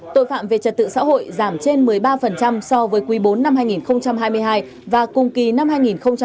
tội phạm về trật tự xã hội giảm trên một mươi ba so với quý iv năm hai nghìn hai mươi hai và cung kỳ năm hai nghìn một mươi chín